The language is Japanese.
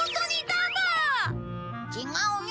違うよ。